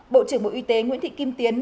bộ trưởng bộ y tế nguyễn thị kim tiến